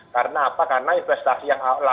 karena apa karena investasi yang lama ini belum balik